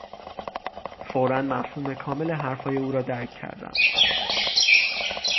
فورا مفهوم کامل حرفهای او را درک کردم.